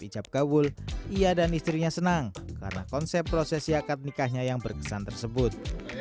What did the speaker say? hijab kabul ia dan istrinya senang karena konsep proses siang katnikahnya yang berkesan tersebut